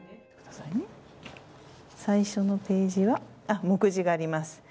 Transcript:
最初のページは目次があります。